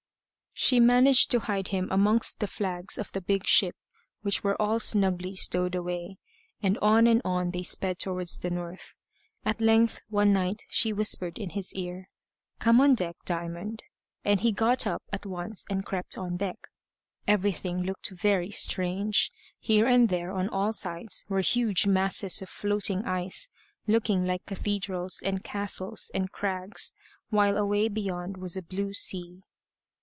She managed to hide him amongst the flags of the big ship, which were all snugly stowed away, and on and on they sped towards the north. At length one night she whispered in his ear, "Come on deck, Diamond;" and he got up at once and crept on deck. Everything looked very strange. Here and there on all sides were huge masses of floating ice, looking like cathedrals, and castles, and crags, while away beyond was a blue sea.